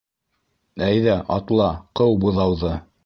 Әйҙә, атла, ҡыу быҙауҙы.